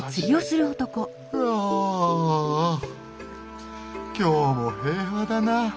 ふあ今日も平和だな。